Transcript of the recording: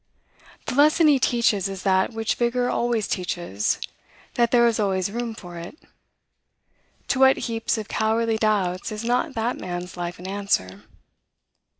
The lesson he teaches is that which vigor always teaches, that there is always room for it. To what heaps of cowardly doubts is not that man's life an answer.